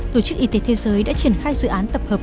tổ chức y tế thế giới đã triển khai dự án tập hợp